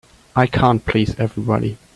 I can't please everybody.